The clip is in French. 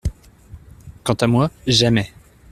Quant à moi, jamais !